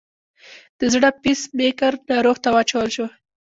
د زړه پیس میکر ناروغ ته واچول شو.